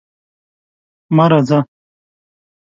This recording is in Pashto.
مه راځه!